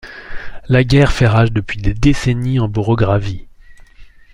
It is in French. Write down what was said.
La guerre fait rage depuis des décennies en Borogravie.